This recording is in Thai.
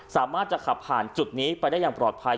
สามารถจะขับผ่านจุดนี้ไปได้อย่างปลอดภัย